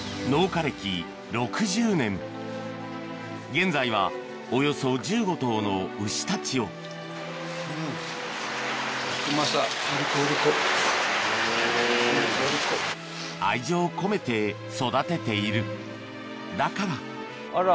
現在はおよそ１５頭の牛たちを愛情込めて育てているだからあら。